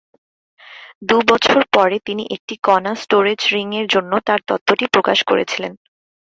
দু'বছর পরে, তিনি একটি কণা স্টোরেজ রিংয়ের জন্য তার তত্ত্বটি প্রকাশ করেছিলেন।